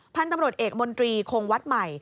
พันธุ์ตำรวจเอกมนตรีคงวัดใหม่